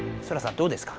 どうですか？